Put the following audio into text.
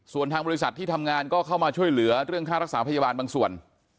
ส่วนทางบริษัทที่ทำงานก็เข้ามาช่วยเหลือเรื่องค่ารักษาพยาบาลบางส่วน